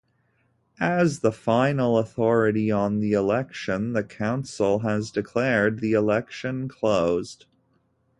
As the "final authority on the election", the Council has declared the election closed.